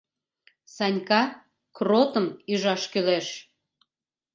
Санька Кротым ӱжаш кӱлеш.